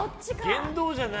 言動じゃない。